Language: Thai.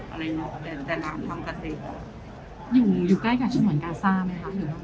อะไรอย่างเงี้ยแต่น้ำทั้งกาเทศอยู่อยู่ใกล้กับชนวนกาซ่าไหมคะเดี๋ยว